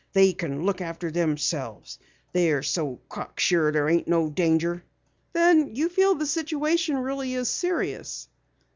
They kin look after themselves. They're so cock sure there ain't no danger." "Then you feel the situation really is serious?"